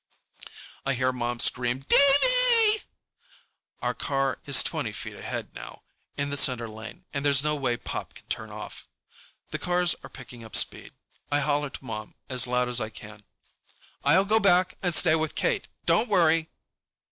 I hear Mom scream, "Davey!" Our car is twenty feet ahead, now, in the center lane, and there's no way Pop can turn off. The cars are picking up speed. I holler to Mom as loud as I can, "I'll go back and stay with Kate! Don't worry!"